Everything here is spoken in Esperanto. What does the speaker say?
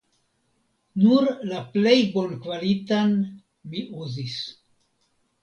Nur la plej bonkvalitan mi uzis.